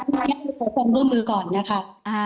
ขอความร่วมมือก่อนนะครับ